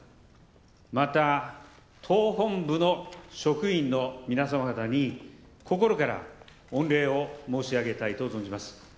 また、党本部の職員の皆様方に心から御礼を申し上げたいと存じます。